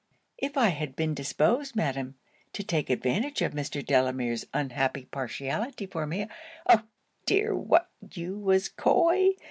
'If I had been disposed, Madam, to take advantage of Mr. Delamere's unhappy partiality for me ' 'Oh dear! What you was coy?